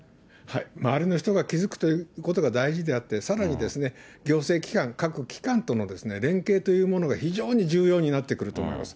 周りの人が気付くということが大事であって、さらに、行政機関、各機関との連携というものが非常に重要になってくると思います。